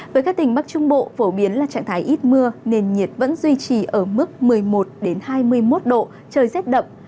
với các tỉnh bắc trung bộ phổ biến là trạng thái ít mưa nền nhiệt vẫn duy trì ở mức một mươi một hai mươi một độ trời rét đậm